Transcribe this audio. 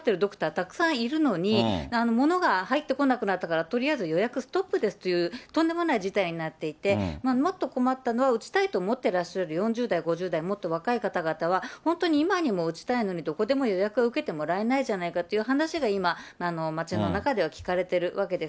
たくさんいるのに、物が入ってこなくなったからとりあえず予約ストップですっていうとんでもない事態になっていて、もっと困ったのは、打ちたいと思ってらっしゃる４０代、５０代、もっと若い方々は本当に今にも打ちたいのに、どこでも予約受けてもらえないじゃないかという話が今、街の中では聞かれているわけです。